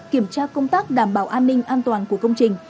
kiểm tra công tác đảm bảo an ninh an toàn của công trình